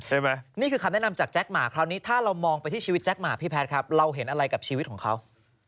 แหมถ้าเองได้เห็นไว้ก็ดูแลสินะครับผมที่ตั้งแต่เรายยุดนะที่ก็สุดเห็นไหม